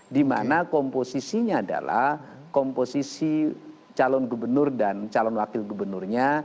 dimana komposisinya adalah komposisi calon gubernur dan calon wakil gubernurnya